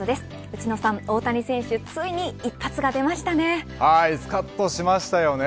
内野さん、大谷選手ついに一発が出ましたね。